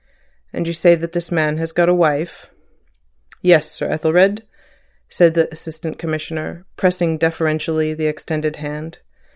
"And you say that this man has got a wife?" "Yes, Sir Ethelred," said the Assistant Commissioner, pressing deferentially the extended hand.